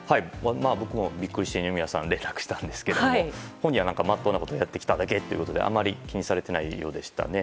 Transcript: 僕もビックリして二宮さんに連絡したんですけど本人はまっとうなことをやってきただけとあまり気にされていないようでしたね。